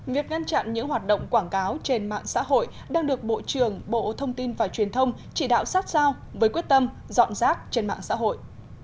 việc ngăn chặn những hoạt động quảng cáo trên mạng xã hội đang được bộ trưởng bộ thông tin và truyền thông chỉ đạo sát sao với quyết tâm dọn rác trên mạng xã hội